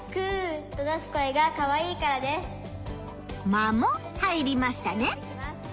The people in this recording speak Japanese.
間も入りましたね。